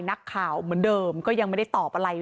นักข่าวเหมือนเดิมก็ยังไม่ได้ตอบอะไรเลย